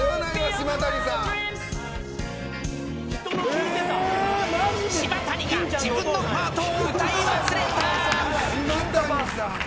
島谷が自分のパートを歌い忘れた。